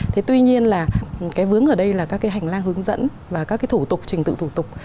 thế tuy nhiên là cái vướng ở đây là các cái hành lang hướng dẫn và các cái thủ tục trình tự thủ tục